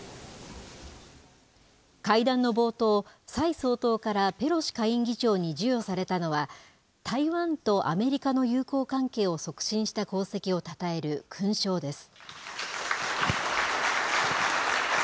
会談の冒頭、蔡総統からペロシ下院議長に授与されたのは、台湾とアメリカの友好関係を促進した功績をたたえる勲章です。